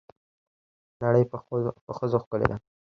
نړۍ په ښځو ښکلې ده.